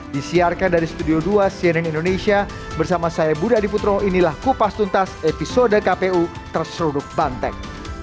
disiarkan dari studio dua cnn indonesia bersama saya budha diputro inilah kupas tuntas episode kpu terseruduk banteng